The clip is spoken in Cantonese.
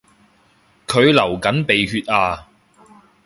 佢流緊鼻血呀